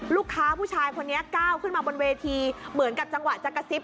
ลูกค้าผู้ชายคนนี้ก้าวขึ้นมาบนเวทีเหมือนกับจังหวะจะกระซิบ